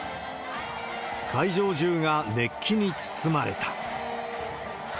会場中が熱気に包まれた。